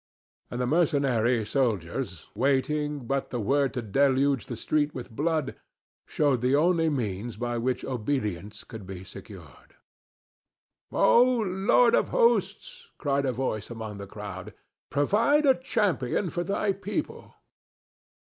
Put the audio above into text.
And the mercenary soldiers, waiting but the word to deluge the street with blood, showed the only means by which obedience could be secured. "O Lord of hosts," cried a voice among the crowd, "provide a champion for thy people!"